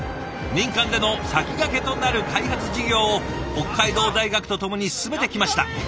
民間での先駆けとなる開発事業を北海道大学と共に進めてきました。